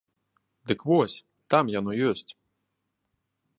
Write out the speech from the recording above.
Дык вось, там яно ёсць!